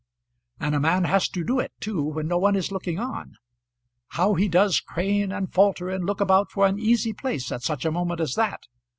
And a man has to do it too when no one is looking on. How he does crane and falter and look about for an easy place at such a moment as that!